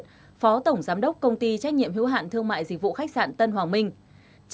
phó tổng giám đốc công ty trách nhiệm hữu hạn thương mại dịch vụ khách sạn tân hoàng minh